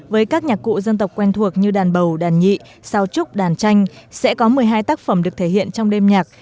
với các nhạc cụ dân tộc quen thuộc như đàn bầu đàn nhị sao trúc đàn tranh sẽ có một mươi hai tác phẩm được thể hiện trong đêm nhạc